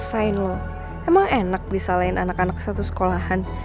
rasain lu emang enak bisa lain anak anak satu sekolahan